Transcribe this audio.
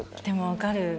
でも分かる。